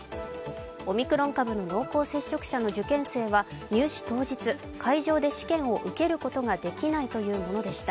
オミクロン株の濃厚接触者の受験生は入試当日、会場で試験を受けることができないというものでした。